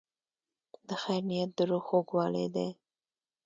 د خیر نیت د روح خوږوالی دی.